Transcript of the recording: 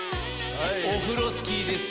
オフロスキーです。